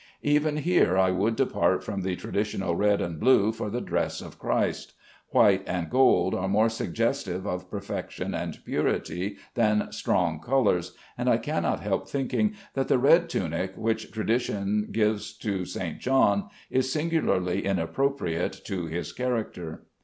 Even here I would depart from the traditional red and blue for the dress of Christ. White and gold are more suggestive of perfection and purity than strong colors, and I cannot help thinking that the red tunic which tradition gives to St. John is singularly inappropriate to his character.